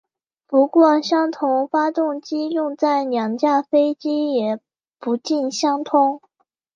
不过相同发动机用在两架飞机也不尽相通。